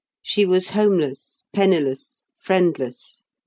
She was homeless, penniless, friendless.